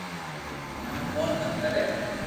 مني ڪون تنگ ڪري